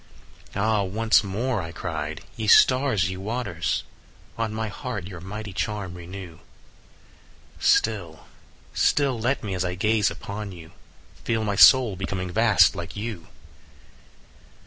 "Ah, once more," I cried, "ye stars, ye waters, On my heart your mighty charm renew; 10 Still, still let me, as I gaze upon you, Feel my soul becoming vast like you!"